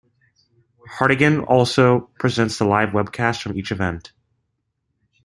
Hartigan also presents the live webcast from each event.